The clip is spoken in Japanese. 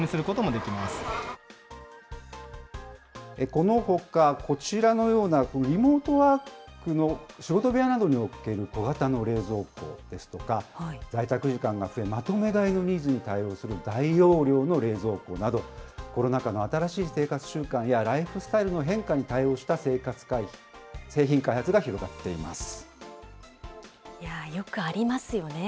このほか、こちらのような、リモートワークの仕事部屋などに置ける小型の冷蔵庫ですとか、在宅時間が増え、まとめ買いのニーズに対応する大容量の冷蔵庫など、コロナ禍の新しい生活習慣やライフスタイルの変化に対応した製品いやー、よくありますよね。